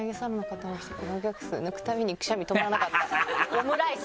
「オムライス！」